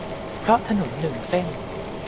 เพราะถนนหนึ่งเส้น